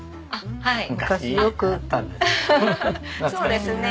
そうですね